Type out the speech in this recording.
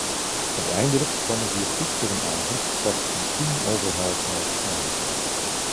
Uiteindelijk kwam ik hier gisterenavond pas om tien over half elf aan.